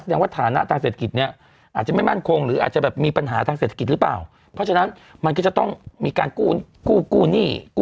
ว่าฐานะทางเศรษฐกิจเนี่ยอาจจะไม่มั่นคงหรืออาจจะแบบมีปัญหาทางเศรษฐกิจหรือเปล่าเพราะฉะนั้นมันก็จะต้องมีการกู้กู้หนี้กู้